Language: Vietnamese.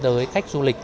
để đưa tới khách du lịch